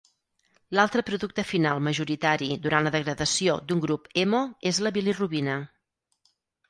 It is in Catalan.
L'altre producte final majoritari durant la degradació d'un grup hemo és la bilirubina.